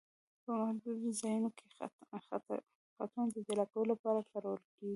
په محدودو ځایونو کې خطونه د جلا کولو لپاره کارول کیږي